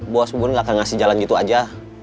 bos pun gak akan ngasih jalan gitu aja